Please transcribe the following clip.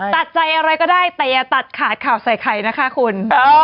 ตัดใจอะไรก็ได้แต่อย่าตัดขาดข่าวใส่ไข่นะคะคุณ